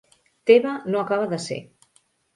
Teva no acaba de ser.